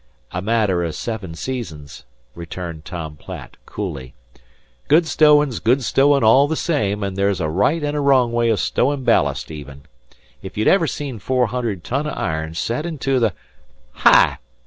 "A matter o' seven seasons," returned Tom Platt coolly. "Good stowin's good stowin' all the same, an' there's a right an' a wrong way o' stowin' ballast even. If you'd ever seen four hundred ton o' iron set into the " "Hi!"